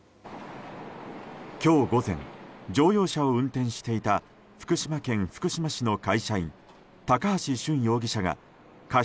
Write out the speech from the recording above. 今日午前乗用車を運転していた福島県福島市の会社員高橋俊容疑者が過失